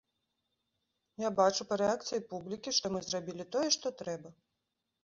Я бачу па рэакцыі публікі, што мы зрабілі тое, што трэба.